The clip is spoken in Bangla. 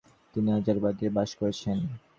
তিনি হাজারীবাগে বাস করেছেন।